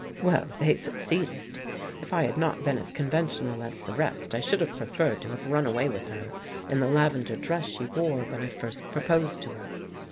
Well, they succeeded. If I had not been as conventional as the rest, I should have preferred to have run away with her in the lavender dress she wore when I first proposed to her.